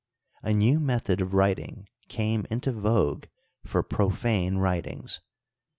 a new method of writing came into vog^e for profane writings.